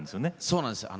そうなんですよ。